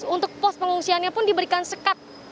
untuk pos pengungsiannya pun diberikan sekat